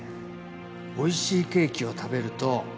おいしいケーキを食べると